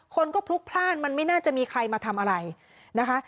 คนก็พลุกพลาดมันไม่น่าจะมีใครมาทำอะไรนะคะ